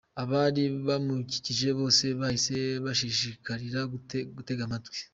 Abari bamukikije bose bahise bashishikarira kuntega amatwi.